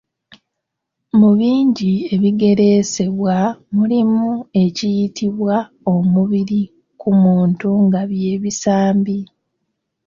Mu bingi ebigereesebwa mulimu ekiyitibwa omubiri ku muntu nga by'ebisambi.